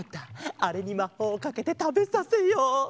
あれにまほうをかけてたべさせよう。